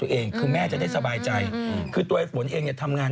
เป็นคุณเป็นผู้ใหญ่ฝั่งเจ้าสาว